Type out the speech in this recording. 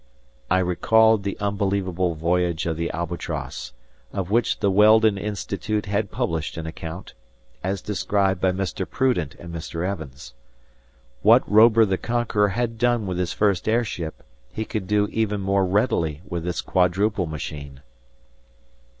I recalled the unbelievable voyage of the "Albatross," of which the Weldon Institute had published an account, as described by Mr. Prudent and Mr. Evans. What Robur, the Conqueror, had done with his first airship, he could do even more readily with this quadruple machine.